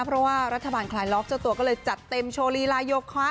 เพราะว่ารัฐบาลคลายล็อกเจ้าตัวก็เลยจัดเต็มโชว์ลีลายโยคะ